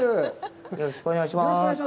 よろしくお願いします。